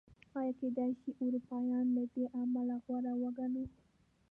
ایا کېدای شي اروپایان له دې امله غوره وګڼو؟